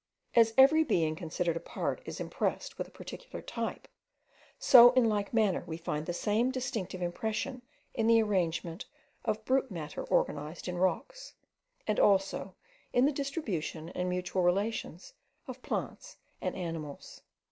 As every being considered apart is impressed with a particular type, so, in like manner, we find the same distinctive impression in the arrangement of brute matter organized in rocks, and also in the distribution and mutual relations of plants and animals.